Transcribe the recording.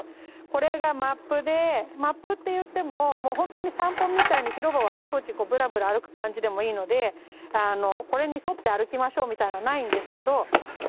これがマップでマップって言ってももうほんとに散歩みたいに広場をあちこちぶらぶら歩く感じでもいいのでこれに沿って歩きましょうみたいなのないんですけど。